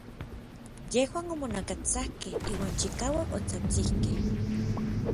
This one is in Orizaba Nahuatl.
Yejuan omonakastsakkej iuan chikauak otsajtsikej.